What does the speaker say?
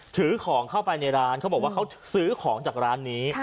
ถือของเข้าไปในร้านเขาบอกว่าเขาซื้อของจากร้านนี้